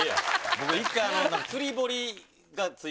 僕１回。